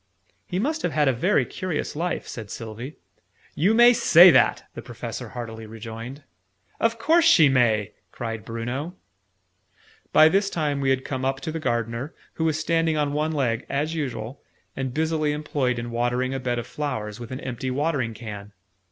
"He must have had a very curious life," said Sylvie. "You may say that!" the Professor heartily rejoined. "Of course she may!" cried Bruno. By this time we had come up to the Gardener, who was standing on one leg, as usual, and busily employed in watering a bed of flowers with an empty watering can.